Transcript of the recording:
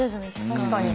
確かに。